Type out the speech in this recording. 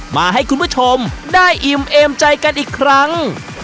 มาให้คุณผู้ชมได้อิ่มเอมใจกันอีกครั้ง